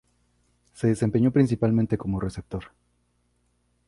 Se desempeñó principalmente como receptor.